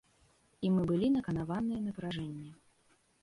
І мы былі наканаваныя на паражэнне.